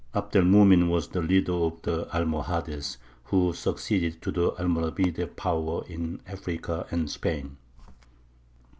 Abd el Mumin was the leader of the Almohades, who succeeded to the Almoravide power in Africa and Spain.